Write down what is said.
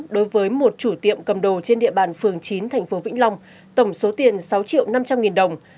đối với một chủ tiệm cầm đồ trên địa bàn phường chín thành phố vĩnh long tổng số tiền sáu triệu năm trăm linh nghìn đồng